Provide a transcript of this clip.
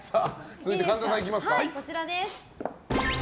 続いて神田さんいきましょうか。